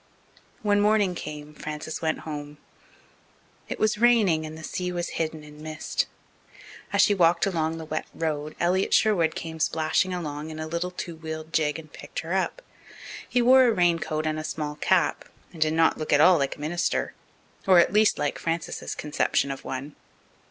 When morning came Frances went home. It was raining, and the sea was hidden in mist. As she walked along the wet road, Elliott Sherwood came splashing along in a little two wheeled gig and picked her up. He wore a raincoat and a small cap, and did not look at all like a minister or, at least, like Frances's conception of one.